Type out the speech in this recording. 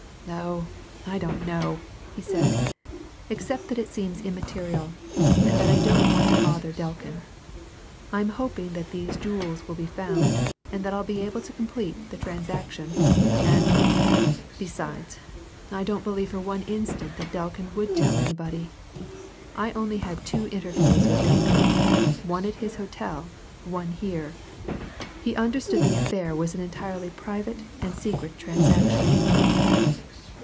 "Oh, I don't know!" he said. "Except that it seems immaterial, and that I don't want to bother Delkin. I'm hoping that these jewels will be found, and that I'll be able to complete the transaction, and besides, I don't believe for one instant that Delkin would tell anybody. I only had two interviews with Delkin one at his hotel, one here. He understood the affair was an entirely private and secret transaction."